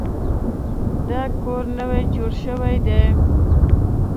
دا کور نوی جوړ شوی دی